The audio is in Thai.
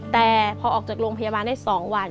แต่พอออกจากโรงพยาบาลได้๒วัน